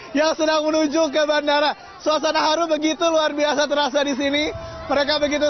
saya sangat senang menuju ke bandara suasa naharu begitu luar biasa terasa di sini mereka begitu